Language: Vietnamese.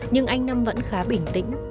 nhưng anh nam vẫn khá bình tĩnh